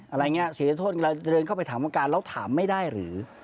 อะไรอย่างนี้เสียโทษเราเดินเข้าไปถามอาการแล้วถามไม่ได้หรือ